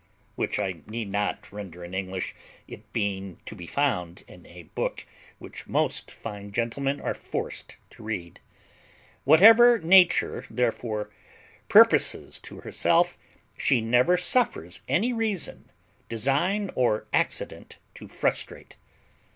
Which I need not render in English, it being to be found in a book which most fine gentlemen are forced to read. Whatever Nature, therefore, purposes to herself, she never suffers any reason, design, or accident to frustrate.